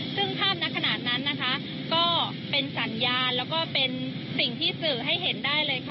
ซึ่งภาพนั้นขนาดนั้นก็เป็นสัญญาณและเป็นสิ่งที่สื่อให้เห็นได้เลย